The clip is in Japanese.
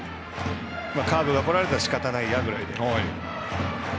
カーブが来られたらしかたないやくらいで。